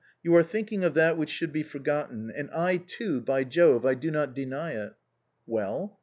You are thinking of that which should be for gotten, and I too, by Jove, I do not deny it." "Well?"